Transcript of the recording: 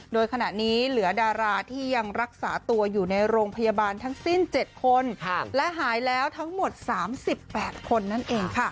โดยขณะนี้เหลือดาราที่ยังรักษาตัวอยู่ในโรงพยาบาลทั้งสิ้น๗คนและหายแล้วทั้งหมด๓๘คนนั่นเองค่ะ